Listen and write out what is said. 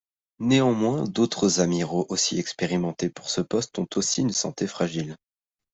Néanmoins d'autres amiraux aussi expérimentés pour ce poste ont aussi une santé fragile.